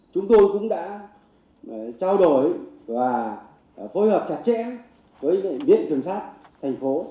chúng tôi cũng đã trao đổi và phối hợp chặt chẽ với điện cảnh sát thành phố